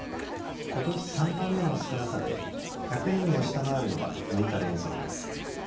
ことし３番目の少なさで１００人を下回るのは６日連続です。